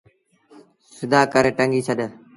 سڌآ ڪري ٽنگي ڇڏ۔